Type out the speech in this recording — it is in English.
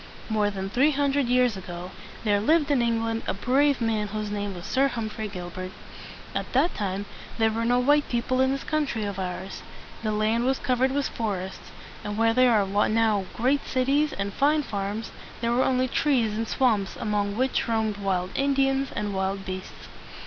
More than three hundred years ago there lived in England a brave man whose name was Sir Humphrey Gil bert. At that time there were no white people in this country of ours. The land was covered with forests; and where there are now great cities and fine farms there were only trees and swamps among which roamed wild In di ans and wild beasts.